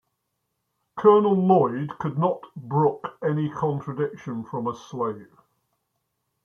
Colonel Lloyd could not brook any contradiction from a slave.